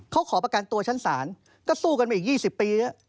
เขาขอประกันตัวชั้นศาลก็สู้กันมาอีก๒๐ปี